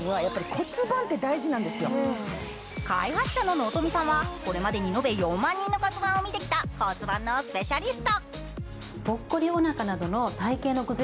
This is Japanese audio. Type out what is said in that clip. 開発者の納富さんは、これまでに延べ４万人の骨盤を見てきた骨盤のスペシャリスト。